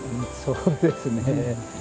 そうですね